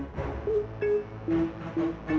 kalau mau panen panen